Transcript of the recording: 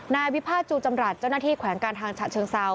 นายวิพาทจูจำรัฐเจ้าหน้าที่แขวงการทางฉะเชิงเซา